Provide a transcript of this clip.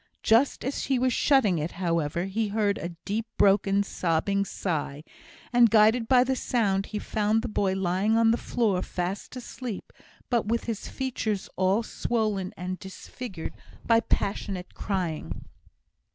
Just as he was shutting it, however, he heard a deep, broken, sobbing sigh; and, guided by the sound, he found the boy lying on the floor, fast asleep, but with his features all swollen and disfigured by passionate crying.